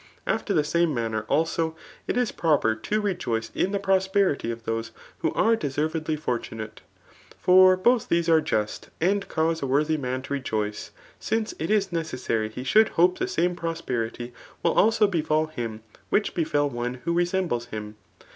After the same manner, also, it is proper to rejoice in the prosperity of those who are deservedly for tunate. For both these are just, and cause a worthy man to rejoice; since it is necessary he should hope the same prosperity will also befalhim which befel one who resembles him.